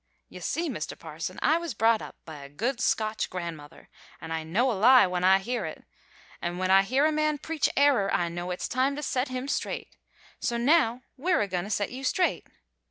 You see, Mr. Parson, I was brought up by a good Scotch grandmother, an' I know a lie when I hear it, an' when I hear a man preach error I know it's time to set him straight; so now we're agoin' to set you straight.